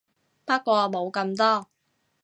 不過冇咁多